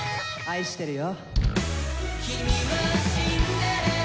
愛してるよ。